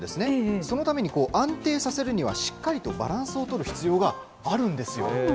そのために安定させるには、しっかりとバランスを取る必要があるんですよ。